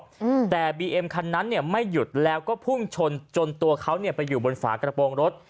อืมแต่บีเอ็มคันนั้นเนี่ยไม่หยุดแล้วก็พุ่งชนจนตัวเขาเนี้ยไปอยู่บนฝากระโปรงรถ